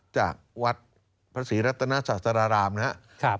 จากวัดพระศรีรัตนาศาสตรารามนะครับ